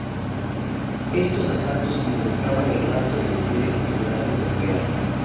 Estos asaltos involucraban el rapto de mujeres en edad de procrear.